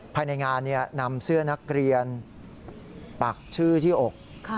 ภายในงานนำเสื้อนักเรียนปักชื่อที่อก